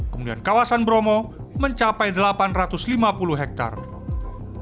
kemudian kawasan bromo mencapai delapan ratus lima puluh hektare